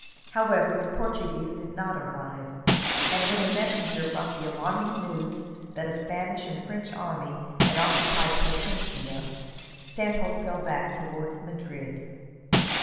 However, the Portuguese did not arrive; and when a messenger brought the alarming news that a Spanish and French army had occupied Plasencia, Stanhope fell back towards Madrid.